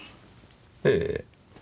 ええ。